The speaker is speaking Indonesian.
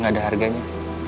gak ada harganya